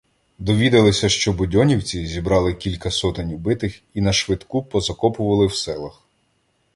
Довідалися, що будьонівці зібрали кілька сотень убитих і нашвидку позакопували в селах.